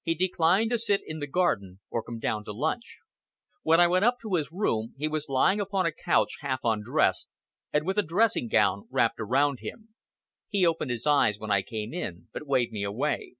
He declined to sit in the garden or come down to lunch. When I went up to his room, he was lying upon a couch, half undressed, and with a dressing gown wrapped around him. He opened his eyes when I came in, but waved me away.